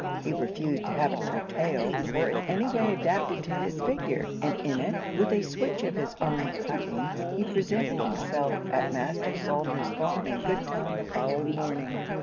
He refused to have it curtailed, or in any way adapted to his figure, and in it, with a switch of his own cutting, he presented himself at Master Salter's farm in good time the following morning.